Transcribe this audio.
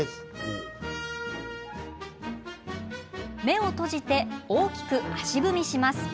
目を閉じて大きく足踏みをします。